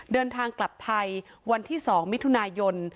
เดินทางกลับไทยวันที่๒มิถุนายน